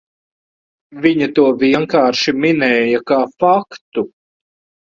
Viņa to vienkārši minēja kā faktu.